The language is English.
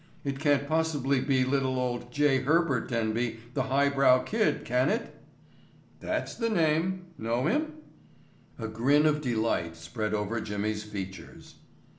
It can't possibly be little old J. Herbert Denby, the highbrow kid, can it?" "That's the name. Know him?" A grin of delight spread over Jimmy's features.